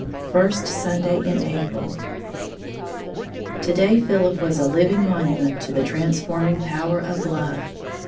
First Sunday in April. To day Philip was a living monument to the transforming power of love.